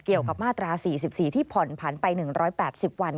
เกี่ยวกับมาตรา๔๔ที่ผ่อนผันไป๑๘๐วัน